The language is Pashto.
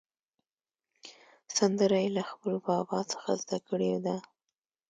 سندره یې له خپل بابا څخه زده کړې ده.